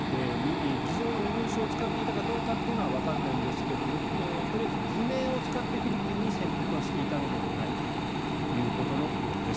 偽造の身分証を使っていたかどうかというのはわからないんですがとりあえず偽名を使ってフィリピンに潜伏はしていたのではないかということのようです。